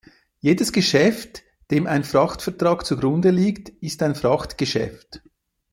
Jedes Geschäft, dem ein Frachtvertrag zugrunde liegt, ist ein Frachtgeschäft.